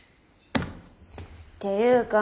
ていうか